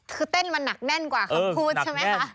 คือเต้นมาหนักแน่นกว่าคำพูดใช่ไหมคะ